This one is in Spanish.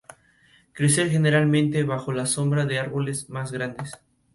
Crece generalmente bajo la sombra de árboles más grandes.